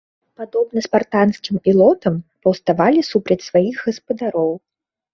Падобна спартанскім ілотам, паўставалі супраць сваіх гаспадароў.